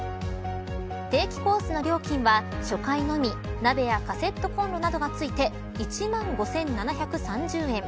定期コースの料金は初回のみ鍋やカセットコンロなどが付いて１万５７３０円。